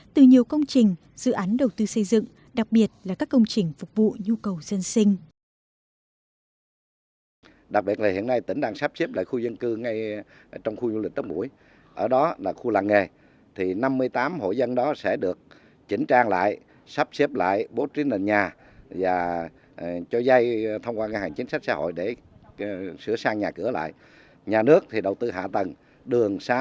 từ nhiều công trình dự án đầu tư xây dựng đặc biệt là các công trình phục vụ nhu cầu dân sinh